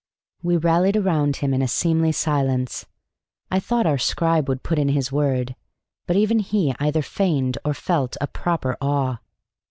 We rallied round him in a seemly silence. I thought our scribe would put in his word. But even he either feigned or felt a proper awe.